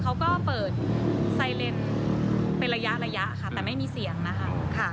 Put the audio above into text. เขาก็เปิดไซเรนด์เป็นระยะแต่ไม่มีเสียงฮะ